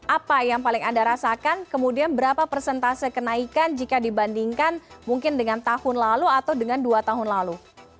apa yang paling anda rasakan kemudian berapa persentase kenaikan jika dibandingkan mungkin dengan tahun lalu atau dengan dua tahun lalu